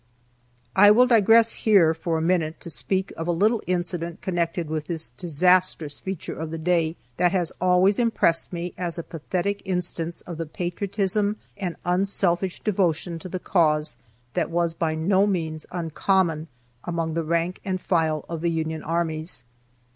I will digress here for a minute to speak of a little incident connected with this disastrous feature of the day that has always impressed me as a pathetic instance of the patriotism and unselfish devotion to the cause that was by no means uncommon among the rank and file of the Union armies.